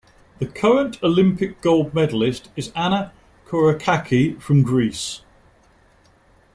The current Olympic Gold Medallist is Anna Korakaki from Greece.